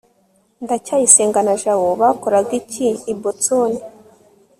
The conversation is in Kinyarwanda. ndacyayisenga na jabo bakoraga iki i boston